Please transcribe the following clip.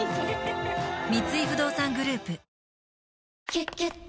「キュキュット」